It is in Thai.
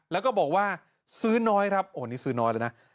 แล้วก็บอกว่าซื้อน้อยครับโอ้นี่ซื้อน้อยเลยนะ